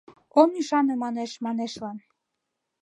Ом ӱшане манеш-манешлан.